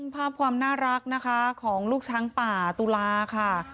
ภาพความพร้อมของลูกช้างป่าตุลาค่ะ